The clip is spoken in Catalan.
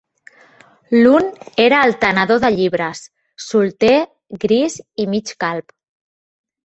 L'un era el tenedor de llibres, solter, gris i mig calb